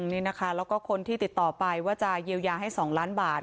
นี่นะคะแล้วก็คนที่ติดต่อไปว่าจะเยียวยาให้๒ล้านบาท